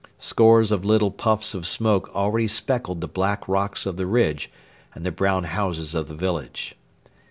Scores of little puffs of smoke already speckled the black rocks of the ridge and the brown houses of the village.